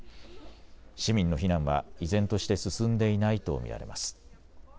市民の避難は依然として進んでいないと見られます。